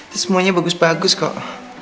semuanya bagus bagus kok